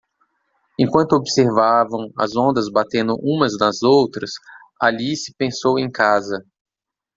Enquanto observavam as ondas batendo umas nas outras, Alice pensou em casa.